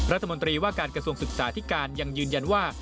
รัฐมนตรีว่าการกระทรวงศึกษาที่การยังยืนยันว่า